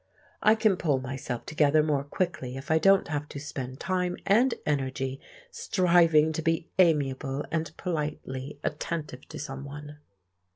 I can pull myself together more quickly if I don't have to spend time and energy striving to be amiable and politely attentive to someone.